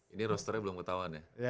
ini rosternya belum ketahuan ya